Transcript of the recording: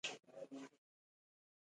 هندوانه د روغتیا لپاره ډاکټر هم توصیه کوي.